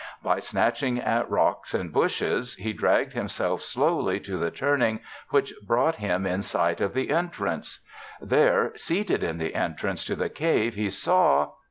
By snatching at rocks and bushes, he dragged himself slowly to the turning which brought him in sight of the entrance. There, seated in the entrance to the cave, he saw